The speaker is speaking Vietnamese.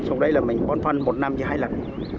sau đấy là mình bón phân một năm chứ hai lần